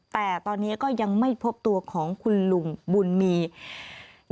แต่ตอนนี้ก็ยังไม่พบตัวของคุณลุงบุญมี